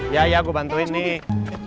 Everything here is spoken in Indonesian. ya ya aku bantuin nih